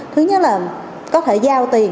thứ nhất là có thể giao tiền